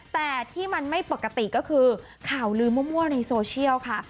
แต่ที่มันไม่ปกติก็คือข่าวลืมมั่วในโซเชียลค่ะ